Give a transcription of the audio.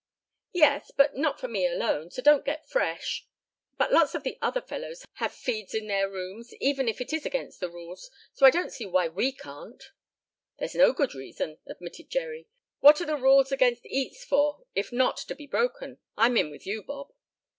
"Yes, but not for me alone, so don't get fresh. But lots of the other fellows have feeds in their rooms, even if it is against the rules, so I don't see why we can't." "There's no good reason," admitted Jerry. "What are rules against eats for if not to be broken? I'm in with you, Bob."